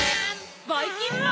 ばいきんまん！